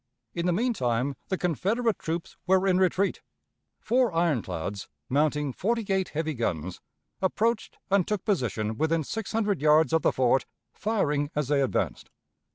In the mean time the Confederate troops were in retreat. Four ironclads, mounting forty eight heavy guns, approached and took position within six hundred yards of the fort, firing as they advanced.